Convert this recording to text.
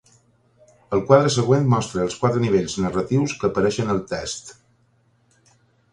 El quadre següent mostra els quatre nivells narratius que apareixen al text.